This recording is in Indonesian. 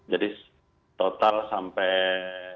jadi total sampai